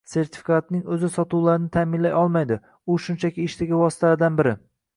sertifikatning o‘zi sotuvlarni ta’minlay olmaydi, u shunchaki ishdagi vositalardan biri